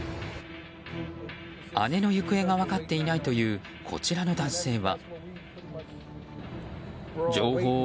姉の行方が分かっていないというこちらの男性は。